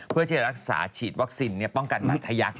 เพื่อที่จะรักษาฉีดวัคซีนป้องกันมัธยักษ